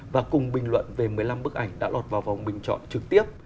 và cùng bình luận về một mươi năm bức ảnh đã lọt vào vòng bình chọn trực tiếp